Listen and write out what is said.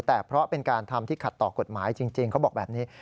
แต่เพราะเป็นการทำที่ขัดต่อกฎหมายจริงเขาบอกแบบนี้